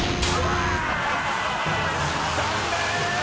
［残念！］